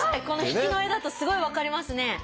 この引きの画だとすごい分かりますね。